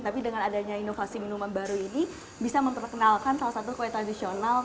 tapi dengan adanya inovasi minuman baru ini bisa memperkenalkan salah satu kue tradisional